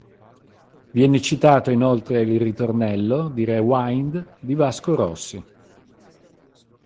Viene citato inoltre il ritornello di Rewind di Vasco Rossi.